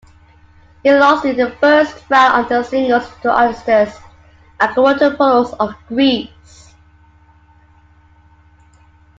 He lost in the first round of the singles to Aristidis Akratopoulos of Greece.